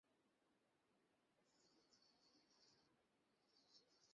বলিল, জ্বর কমেছে, ঘুমোচ্ছে এখন।